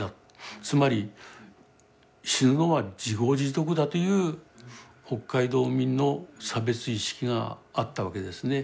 つまり死ぬのは自業自得だという北海道民の差別意識があったわけですね。